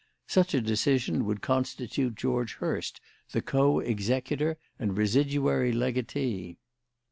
Such a decision would constitute George Hurst the co executor and residuary legatee."